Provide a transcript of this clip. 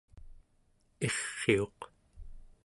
irriuq